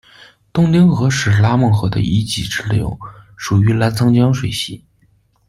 东丁河是拉勐河的一级支流，属于澜沧江水系。